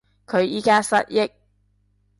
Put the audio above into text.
佢而家失憶